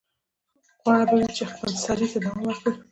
غوره به وي چې خپلسرۍ ته دوام ورکړي.